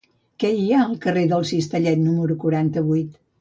Què hi ha al carrer del Cistellet número quaranta-vuit?